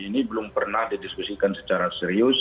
ini belum pernah didiskusikan secara serius